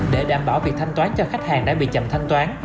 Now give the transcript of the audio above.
để đảm bảo việc thanh toán cho khách hàng đã bị chậm thanh toán